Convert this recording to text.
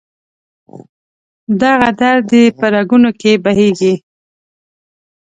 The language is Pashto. دغه درد دې په رګونو کې بهیږي